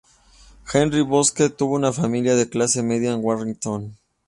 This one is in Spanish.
Henry Bosque tuvo una familia de clase media en Warrington.